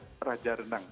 itu raja renang